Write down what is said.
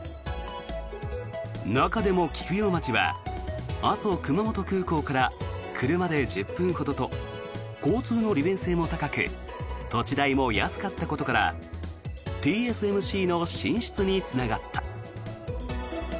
中でも菊陽町は阿蘇くまもと空港から車で１０分ほどと交通の利便性も高く土地代も安かったことからＴＳＭＣの進出につながった。